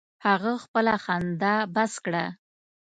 هغه خپله خندا بس کړه.